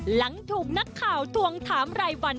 หลังถูกนักข่าวทวงถามรายวัน